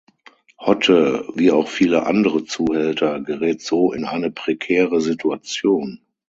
Hotte, wie auch viele andere Zuhälter, gerät so in eine prekäre Situation.